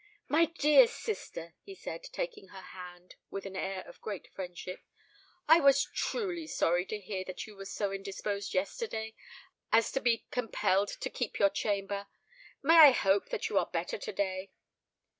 "My dear sister," he said, taking her hand with an air of great friendship, "I was truly sorry to hear that you were so indisposed yesterday as to be compelled to keep your chamber. May I hope that you are better to day?"